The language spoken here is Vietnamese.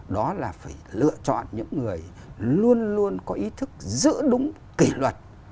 đó là phải lựa chọn những người luôn luôn có ý thức giữ đúng kỷ luật